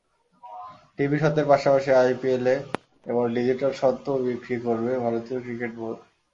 TV স্বত্বের পাশাপাশি আইপিএলে এবার ডিজিটাল স্বত্বও বিক্রি করবে ভারতীয় ক্রিকেট বোর্ড।